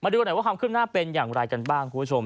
ต่อกว่าความคืบหน้าเป็นอย่างไรกันบ้างครับครับ